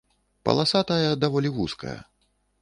Паласа тая даволі вузкая.